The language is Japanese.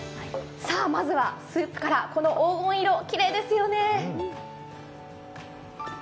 まずはスープからこの黄金色きれいですよね。